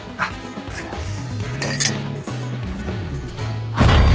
お疲れさまです。